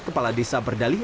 kepala desa berdali